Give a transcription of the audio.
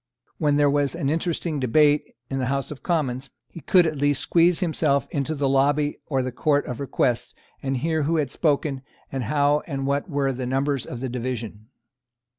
When there was an interesting debate, in the House of Commons, he could at least squeeze himself into the lobby or the Court of Requests, and hear who had spoken, and how and what were the numbers on the division.